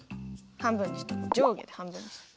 半分にした上下で半分にした。